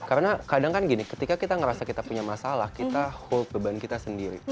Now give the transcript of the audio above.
karena kadang kan gini ketika kita ngerasa kita punya masalah kita hold beban kita sendiri